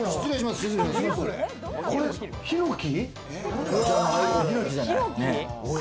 これヒノキ？